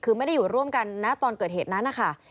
คือไม่ได้อยู่ร่วมกันนะตอนเกิดเหตุนั้นนะคะ